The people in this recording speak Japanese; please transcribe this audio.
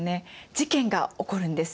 事件が起こるんです。